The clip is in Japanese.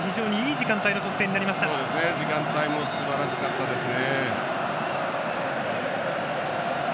時間帯もすばらしかったですね。